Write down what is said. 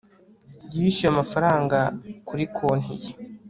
yishyuye amafaranga kuri konti ye